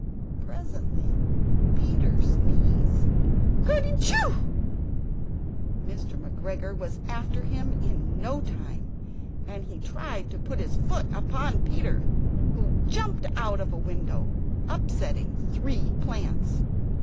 Presently Peter sneezed "Kerty schoo!" Mr. McGregor was after him in no time, and tried to put his foot upon Peter, who jumped out of a window, upsetting three plants.